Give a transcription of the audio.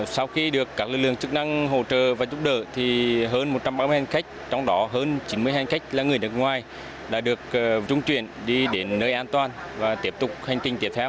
sau khi được các lực lượng chức năng hỗ trợ và giúp đỡ thì hơn một trăm ba mươi hành khách trong đó hơn chín mươi hành khách là người nước ngoài đã được trung chuyển đi đến nơi an toàn và tiếp tục hành trình tiếp theo